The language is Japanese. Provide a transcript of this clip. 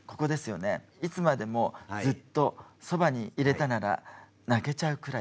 「いつまでもずっとそばにいれたなら泣けちゃうくらい」